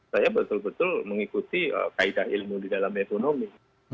saya betul betul mengikuti kaedah ilmu di dalam ekonomi